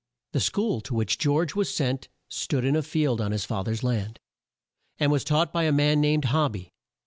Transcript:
The school to which George was sent stood in a field on his fa ther's land, and was taught by a man named Hob by.